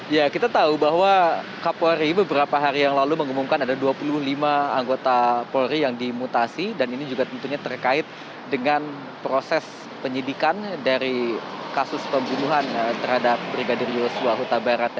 ya kita tahu bahwa kapolri beberapa hari yang lalu mengumumkan ada dua puluh lima anggota polri yang dimutasi dan ini juga tentunya terkait dengan proses penyidikan dari kasus pembunuhan terhadap brigadir yosua huta barat